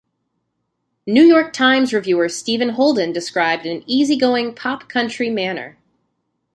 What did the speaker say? "New York Times" reviewer Stephen Holden described an "easygoing pop-country" manner.